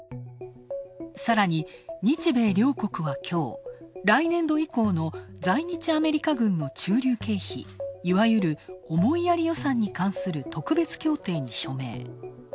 さらに、日米両国はきょう、来年度以降の在日アメリカ軍の駐留経費、いわゆる思いやり予算に関する特別協定に署名。